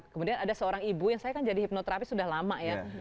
kemudian ada seorang ibu yang saya kan jadi hipnoterapi sudah lama ya